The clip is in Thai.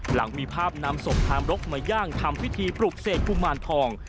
หลังมีภาพนำศพทามรกมาย่างทำพิธีปลุกเสกกุมารทอง